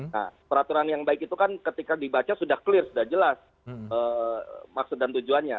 nah peraturan yang baik itu kan ketika dibaca sudah clear sudah jelas maksud dan tujuannya